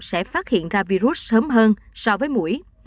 sẽ phát hiện ra virus sớm hơn so với mũi